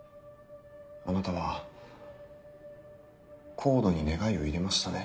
あなたはＣＯＤＥに願いを入れましたね？